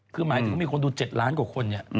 คือหมายถึงมีคนดู๗ล้านกว่าคน